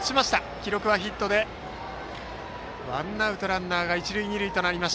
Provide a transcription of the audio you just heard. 記録はヒットでワンアウトランナー、一塁二塁。